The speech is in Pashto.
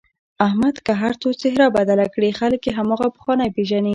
احمد که هرڅو څهره بدله کړي خلک یې هماغه پخوانی پېژني.